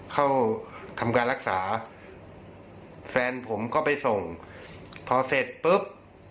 เข้าทำการรักษาแฟนผมก็ไปส่งพอเสร็จปุ๊บ